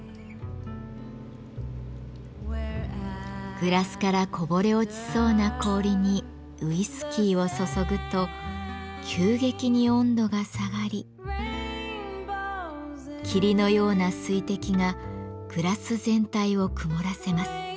グラスからこぼれ落ちそうな氷にウイスキーを注ぐと急激に温度が下がり霧のような水滴がグラス全体を曇らせます。